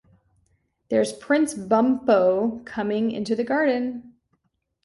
There’s Prince Bumpo coming into the garden!